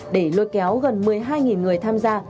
để lôi kéo gần một mươi hai người tham gia